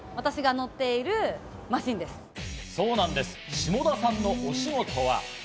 下田さんのお仕事は。